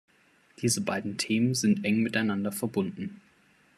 Diese beiden Themen sind eng miteinander verbunden.